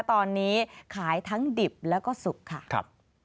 ตอนนี้ขายทั้งดิบแล้วก็สุกค่ะ